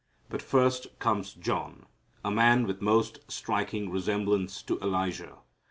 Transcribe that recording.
But first comes John, a man with most striking resemblance to Elijah.